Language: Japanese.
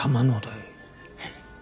はい。